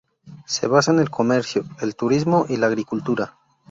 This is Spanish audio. Se basa en el comercio, el turismo y la agricultura.